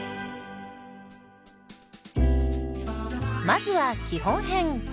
まずは基本編。